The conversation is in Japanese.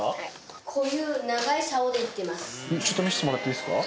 ちょっと見してもらっていいですか？